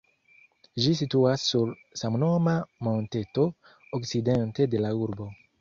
Ĝi situas sur samnoma monteto, okcidente de la urbo.